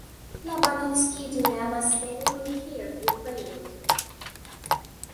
Lobanovsky Dynamo Stadium in Kiev, Ukraine.